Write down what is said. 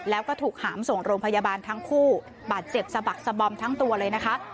แล้วก็ถูกหามส่งโรงพยาบาลทั้งคู่บาดเจ็บสะบักสะบอมทั้งตัวเลยนะคะ